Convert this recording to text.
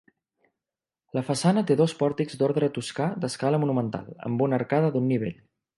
La façana té dos pòrtics d'ordre toscà d'escala monumental, amb una arcada d'un nivell.